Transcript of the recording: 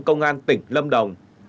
công an tỉnh lâm đồng